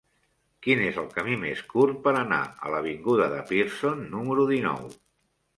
Quin és el camí més curt per anar a l'avinguda de Pearson número dinou?